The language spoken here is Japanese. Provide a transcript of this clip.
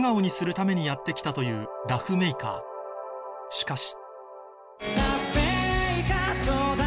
しかし